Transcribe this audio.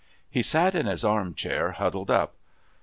He sat in his arm chair huddled up.